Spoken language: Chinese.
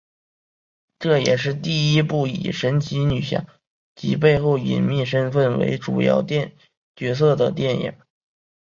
这也是第一部以神奇女侠及其背后隐秘身份为主要角色的电影。